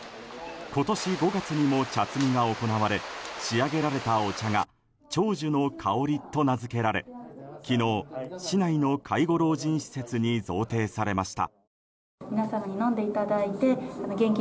今年５月にも茶摘みが行われ仕上げられたお茶が長寿の香りと名付けられ昨日、市内の介護老人施設に贈呈されました。